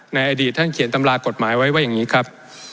อดีตท่านเขียนตำรากฎหมายไว้ว่าอย่างนี้ครับ